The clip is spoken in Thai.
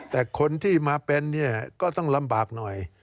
แต่คนที่มาเป็นเนี่ยก็ต้องลำบากหน่อย